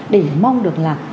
để mong được là